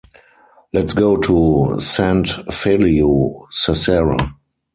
Let's go to Sant Feliu Sasserra.